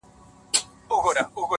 د لاسونو په پياله کې اوښکي راوړې،